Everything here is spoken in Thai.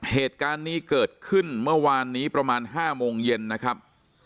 เหตุการณ์นี้เกิดขึ้นเมื่อวานนี้ประมาณ๕โมงเย็นนะครับ